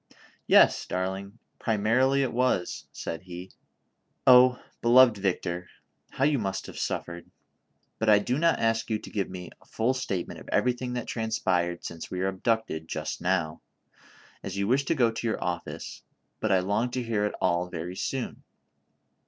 "Yes, darling, primarily it was," said he. " Oh ! beloved Victor, how you must have suffered ; but I do not ask you to give me a full statement of everything that transpired since we were abducted, just now, as you ■wish to go to your office, but I long to hear it all very soon.